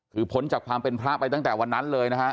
คือพ้นจากความเป็นพระไปตั้งแต่วันนั้นเลยนะฮะ